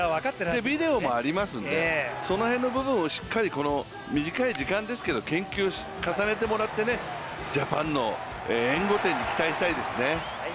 ビデオもありますんで、その辺の部分をしっかり短い時間ですけど研究重ねてもらってジャパンの援護点に期待したいですね。